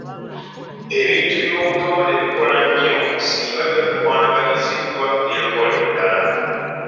Ebintu by’obutonde bikola nnyo ssinga biba bikwanaganyiziddwa n’enkola endala.